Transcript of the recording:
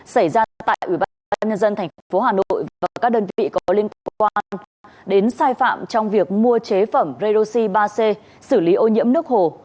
xảy ra tại ubnd tp hà nội và các đơn vị có liên quan đến sai phạm trong việc mua chế phẩm redoxy ba c xử lý ô nhiễm nước hồ